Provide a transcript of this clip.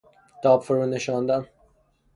تاب فرو نشاندن